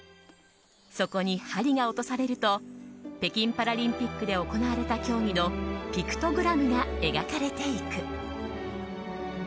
そこに針が落とされると北京パラリンピックで行われた競技のピクトグラムが描かれていく。